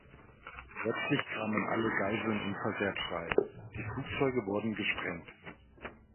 Letztlich kamen alle Geiseln unversehrt frei, die Flugzeuge wurden gesprengt.